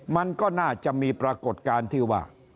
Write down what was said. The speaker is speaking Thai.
มันก็น่าจะมีปรากฏการณ์ที่ว่า